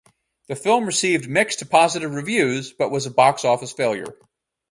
The film received mixed to positive reviews but was a box office failure.